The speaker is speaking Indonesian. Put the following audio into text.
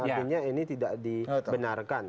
artinya ini tidak dibenarkan